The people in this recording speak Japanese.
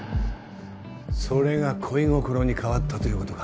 それが恋心に変わったということか。